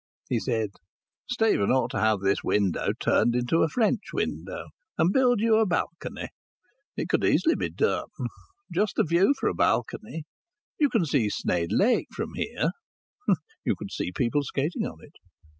He said: "Stephen ought to have this window turned into a French window, and build you a balcony. It could easily be done. Just the view for a balcony. You can see Sneyd Lake from here." (You could. People were skating on it.)